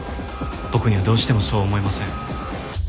僕にはどうしてもそう思えません。